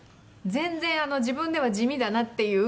全然自分では地味だなっていう」